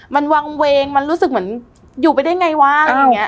มันวางเวงมันรู้สึกเหมือนอยู่ไปได้ไงว้าง